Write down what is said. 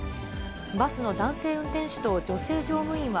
バスの男性運転手と女性乗務員は